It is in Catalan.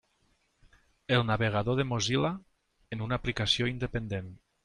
El navegador de Mozilla, en una aplicació independent.